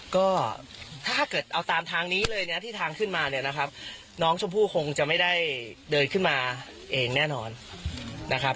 ก็ถ้าเกิดเอาตามทางนี้เลยนะที่ทางขึ้นมาเนี่ยนะครับน้องชมพู่คงจะไม่ได้เดินขึ้นมาเองแน่นอนนะครับ